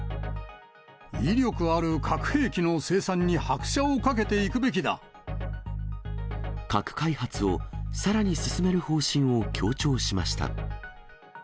威力ある核兵器の生産に拍車核開発をさらに進める方針を強調しました。